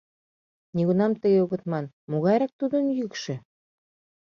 Нигунам тыге огыт ман: «Могайрак тудын йӱкшӧ?